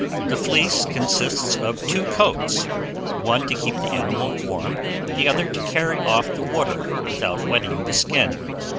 The fleece consists of two coats, one to keep the animal warm, the other to carry off the water without wetting the skin.